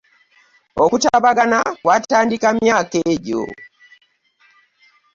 Okutabagana kwatandika myaka egyo.